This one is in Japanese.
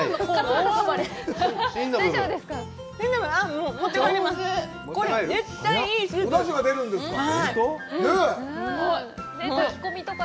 お出汁が出るんですか？